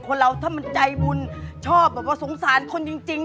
เราถ้ามันใจบุญชอบแบบว่าสงสารคนจริง